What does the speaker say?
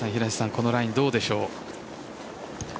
このラインどうでしょう？